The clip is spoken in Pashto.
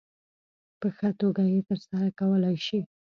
په ښه توګه یې ترسره کولای شي.